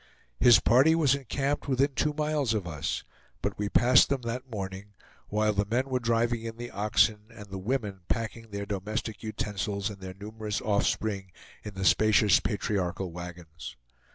His party was encamped within two miles of us; but we passed them that morning, while the men were driving in the oxen, and the women packing their domestic utensils and their numerous offspring in the spacious patriarchal wagons.